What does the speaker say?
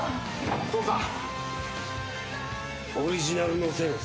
父さん。